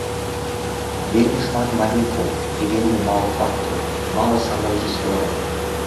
Вельмі шмат малюнкаў і вельмі мала фактаў, мала самой гісторыі.